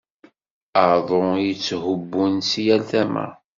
Aḍu i yetthubbun si yal tama.